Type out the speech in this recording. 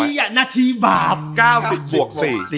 ไอ้ยนาทีบาป๙๐บวก๔